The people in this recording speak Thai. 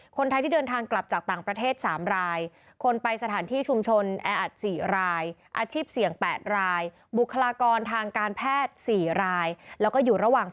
คนไทยที่เดินทางกลับจากต่างประเทศสามรายคนไปสถานที่ชุมชนแออัดสี่ราย